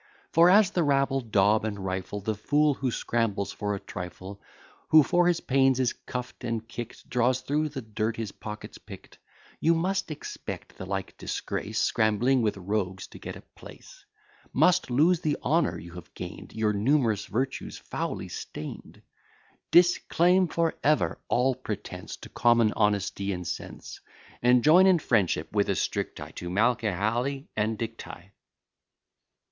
For as the rabble daub and rifle The fool who scrambles for a trifle; Who for his pains is cuff'd and kick'd, Drawn through the dirt, his pockets pick'd; You must expect the like disgrace, Scrambling with rogues to get a place; Must lose the honour you have gain'd, Your numerous virtues foully stain'd: Disclaim for ever all pretence To common honesty and sense; And join in friendship with a strict tie, To M l, C y, and Dick Tighe.